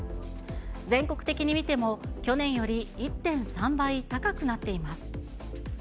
全国的に見ても、去年より１．３倍高くなっています。